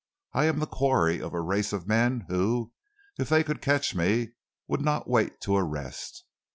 I am the quarry of a race of men who, if they could catch me, would not wait to arrest.